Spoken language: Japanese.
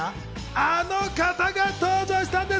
あの方が登場したんです。